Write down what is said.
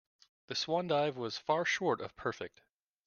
The swan dive was far short of perfect.